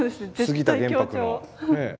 杉田玄白の。